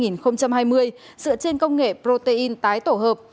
dựa trên công nghệ protein tái tổ hợp